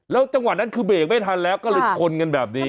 จังหวะนั้นคือเบรกไม่ทันแล้วก็เลยชนกันแบบนี้